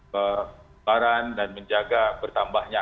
peran dan menjaga bertambahnya